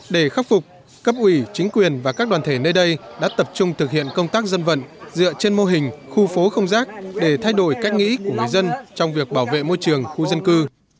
để khắc phục cấp ủy chính quyền và các đoàn thể nơi đây đã tập trung thực hiện công tác dân vận dựa trên mô hình khu phố không rác để thay đổi cách nghĩ của người dân trong việc bảo vệ môi trường khu dân cư